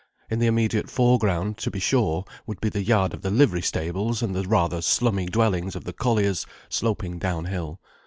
In the immediate foreground, to be sure, would be the yard of the livery stables and the rather slummy dwellings of the colliers, sloping downhill.